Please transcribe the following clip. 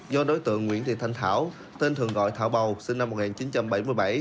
do đối tượng nguyễn thị thanh thảo tên thường gọi thảo bầu sinh năm một nghìn chín trăm bảy mươi bảy